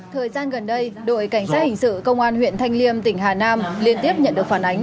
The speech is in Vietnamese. thời gian gần đây đội cảnh sát hình sự công an huyện thanh liêm tỉnh hà nam liên tiếp nhận được phản ánh